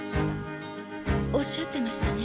おっしゃってましたね。